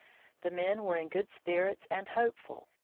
The men were in good spirits and hopeful.